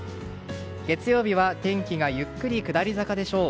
月曜日は天気がゆっくり下り坂でしょう。